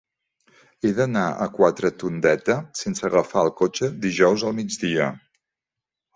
He d'anar a Quatretondeta sense agafar el cotxe dijous al migdia.